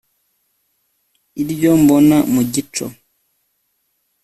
iryo mbona mu gico